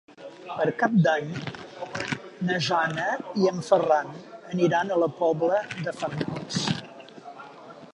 Per Cap d'Any na Jana i en Ferran aniran a la Pobla de Farnals.